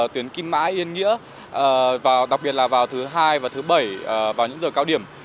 tuyến kim mã yên nghĩa và đặc biệt là vào thứ hai và thứ bảy vào những giờ cao điểm